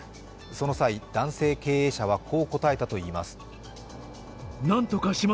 その際、男性経営者はこう答えたといいます。